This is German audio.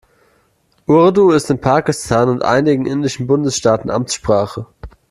Urdu ist in Pakistan und einigen indischen Bundesstaaten Amtssprache.